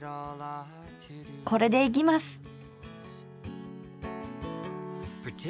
これでいきます！